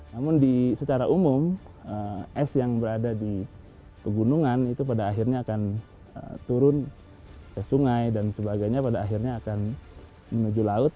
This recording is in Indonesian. namun secara umum es yang berada di pegunungan itu pada akhirnya akan turun ke sungai dan sebagainya pada akhirnya akan menuju laut